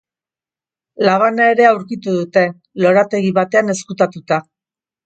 Labana ere aurkitu dute, lorategi batean ezkutatuta.